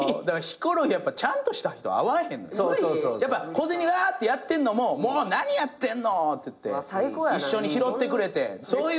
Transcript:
小銭がーってやってんのも「もう何やってんの？」って言って一緒に拾ってくれてそういう人の方が合う。